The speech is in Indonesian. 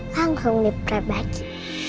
langsung di perbaiki